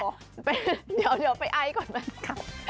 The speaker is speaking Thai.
เดี๋ยวไปไอ๊ก่อนแมนค่ะ